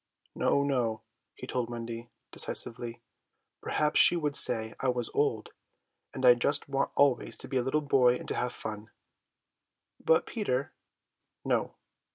"No, no," he told Wendy decisively; "perhaps she would say I was old, and I just want always to be a little boy and to have fun." "But, Peter—" "No."